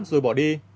rồi bỏ đi